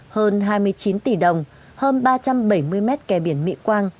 hơn hai mươi chín tỷ đồng hơn ba trăm bảy mươi mét kè biển mỹ quang